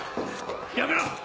やめろ！